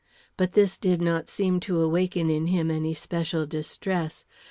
But this did not seem to awaken in him any special distress.